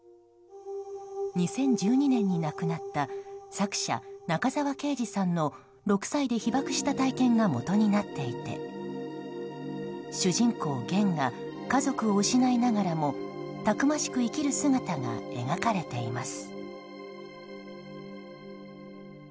２０１２年に亡くなった作者・中沢啓治さんの６歳で被爆した体験がもとになっていて主人公ゲンが家族を失いながらもたくましく生きる姿が描かれています。